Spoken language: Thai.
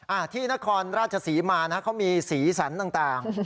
อ่าที่นครราชศรีมานะเขามีสีสันต่างต่าง